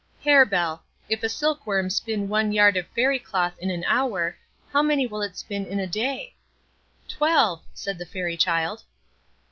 "Harebell, if a silkworm spin one yard of Fairy cloth in an hour, how many will it spin in a day?" "Twelve," said the Fairy child.